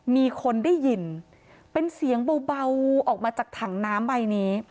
มีคนได้ยินเป็นเสียงเบาออกมาจากถังน้ำใบนี้